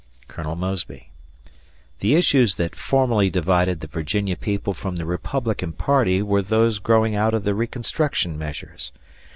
Colonel Mosby: "The issues that formerly divided the Virginia people from the Republican party were those growing out of the reconstruction measures.